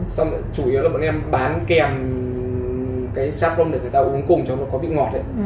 xong chủ yếu là bọn em bán kèm cái saprom để người ta uống cùng cho nó có vị ngọt đấy